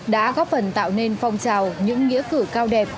đã góp phần tạo nên phong trào những nghĩa cử cao đẹp